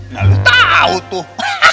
nah lu tau tuh